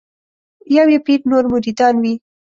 یو یې پیر نور مریدان وي